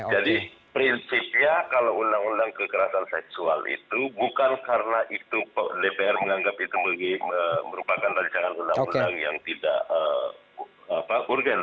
jadi prinsipnya kalau undang undang kekerasan seksual itu bukan karena itu dpr menganggap itu merupakan rancangan undang undang yang tidak urgen